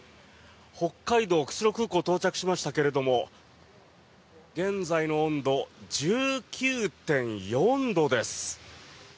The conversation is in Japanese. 北海道・釧路空港に到着しましたけれども現在の温度、１９．４度です。